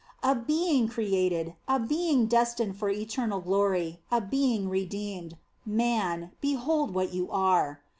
A being created, a being destined for eter nal glory, a being redeemed; man, behold what you are